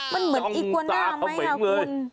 เผื่องตาเข้าเม็ดเลย